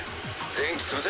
全機潰せ。